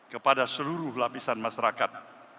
kepada seluruh lapisan masyarakat